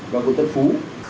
và quận tân phú